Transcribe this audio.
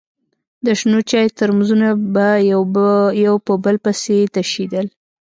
د شنو چايو ترموزونه به يو په بل پسې تشېدل.